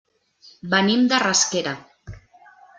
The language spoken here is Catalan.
Venim de Rasquera.